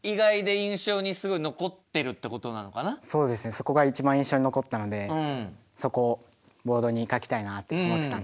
そこが一番印象に残ったのでそこをボードに書きたいなと思ってたんで。